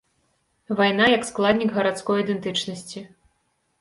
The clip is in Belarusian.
Вайна як складнік гарадской ідэнтычнасці.